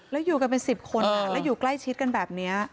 แล้วอยู่กันเป็น๑๐คนแล้วอยู่ใกล้ชิดกันแบบนี้